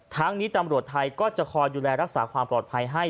ทั้งนี้ตำรวจไทยก็จะคอยดูแลรักษาความปลอดภัยให้